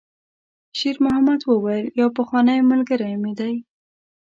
شېرمحمد وویل: «یو پخوانی ملګری مې دی.»